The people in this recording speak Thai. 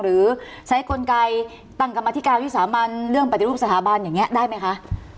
หรือใช้กลไกตั้งกรรมธิการวิสามันเรื่องปฏิรูปสถาบันอย่างนี้ได้ไหมคะ